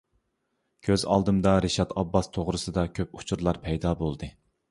كۆز ئالدىمدا رىشات ئابباس توغرىسىدا كۆپ ئۇچۇرلار پەيدا بولدى.